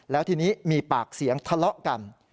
แล้วทีนี้มีปากเสียงทะเลาะกัน